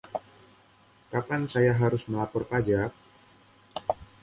Kapan saya harus melapor pajak?